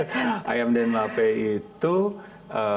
karena yang sebelum sebelumnya itu ada di garuda